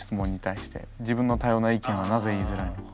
自分の多様な意見はなぜ言いづらいのか。